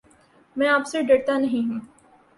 میں آپ سے ڈرتا نہیں ہوں